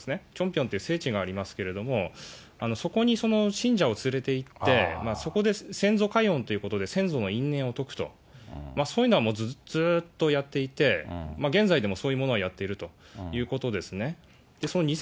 チョンピョンっていう聖地がありますけれども、そこに信者を連れていって、そこで先祖解怨ということで、先祖の因縁を解くと、そういうのはずっとやっていて、現在でもそういうものはやっているということですね。